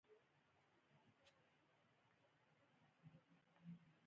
غور په تاریخي کتابونو کې د غرجستان په نوم هم یاد شوی دی